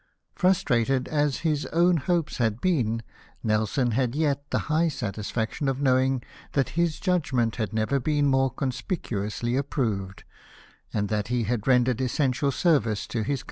Frustrated as his own hopes had been, Nelson had yet the high satisfaction of knowing that his judg ment had never been more conspicuously approved, and that he had rendered essential service to his 296 LIFE OF NELSON.